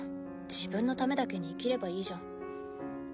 自分のためだけに生きればいいじゃん。